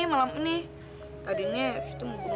abang mau nyanyi buat lo